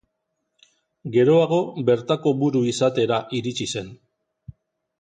Geroago bertako buru izatera iritsi zen.